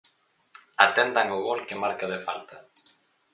Atendan o gol que marca de falta.